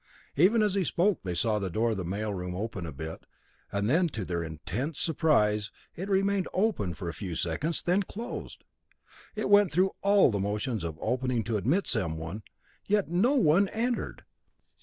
Even as he spoke they saw the door of the mail room open a bit, and then, to their intense surprise, it remained open for a few seconds, then closed. It went through all the motions of opening to admit someone, yet no one entered!